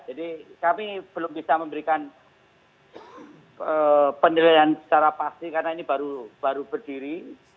jadi kami belum bisa memberikan penilaian secara pasti karena ini baru berdiri